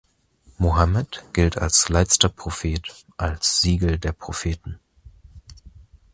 Mohammed gilt als letzter Prophet, als "Siegel der Propheten".